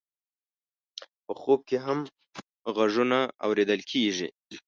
په خوب کې هم غږونه اورېدل کېږي.